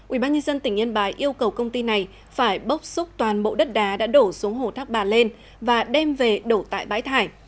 ubnd tỉnh yên bái yêu cầu công ty này phải bốc xúc toàn bộ đất đá đã đổ xuống hồ thác bà lên và đem về đổ tại bãi thải